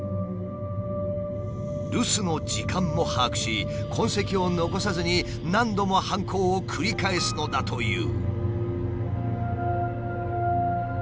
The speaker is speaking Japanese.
留守の時間も把握し痕跡を残さずに何度も犯行を繰り返すのだという。